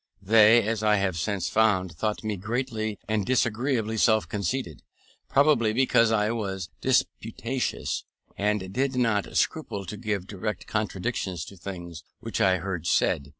They, as I have since found, thought me greatly and disagreeably self conceited; probably because I was disputatious, and did not scruple to give direct contradictions to things which I heard said.